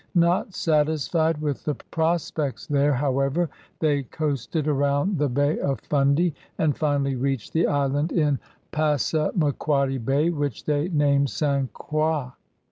Not satisfied with the prospects there, however, they coasted around the Bay of Fundy, and finally reached the island in Passamaquoddy Bay which they named St. Croix.